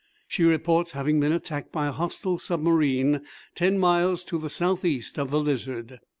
She reports having been attacked by a hostile submarine ten miles to the south east of the Lizard.